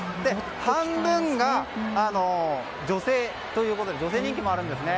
半分が女性ということで女性人気もあるんですね。